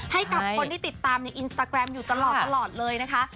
ให้กับคนที่ติดตามในอินสตาแกรมอยู่ตลอดเลยนะคะ